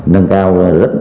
nâng cao rất đủ